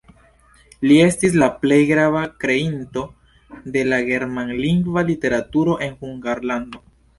Li estis la plej grava kreinto de la germanlingva literaturo en Hungarlando.